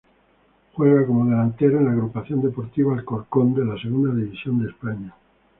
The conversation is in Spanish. Juega como delantero, en la Agrupación Deportiva Alcorcón de la Segunda División de España.